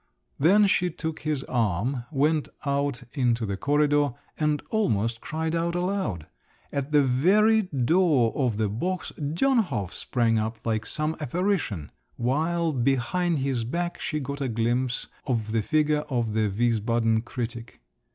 Then she took his arm, went out into the corridor, and almost cried out aloud. At the very door of the box Dönhof sprang up like some apparition; while behind his back she got a glimpse of the figure of the Wiesbaden critic.